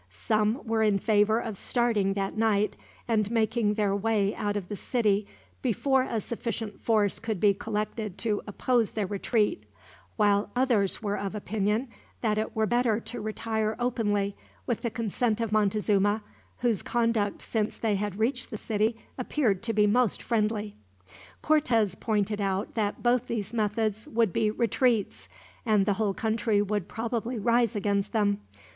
Some were in favor of starting that night, and making their way out of the city before a sufficient force could be collected to oppose their retreat; while others were of opinion that it were better to retire openly, with the consent of Montezuma, whose conduct since they had reached the city appeared to be most friendly. Cortez pointed out that both these methods would be retreats, and the whole country would probably rise against them.